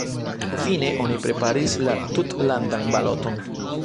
Fine oni preparis la tutlandan baloton.